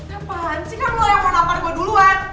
kenapaan sih kan lo yang mau nampar gue duluan